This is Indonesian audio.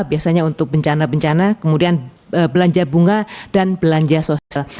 biasanya untuk bencana bencana kemudian belanja bunga dan belanja sosial